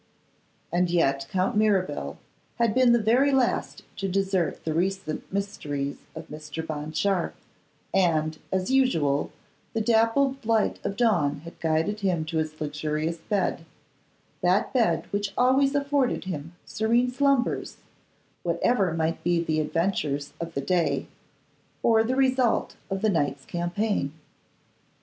And yet Count Mirabel had been the very last to desert the recent mysteries of Mr. Bond Sharpe; and, as usual, the dappled light of dawn had guided him to his luxurious bed, that bed which always afforded him serene slumbers, whatever might be the adventures of the day, or the result of the night's campaign.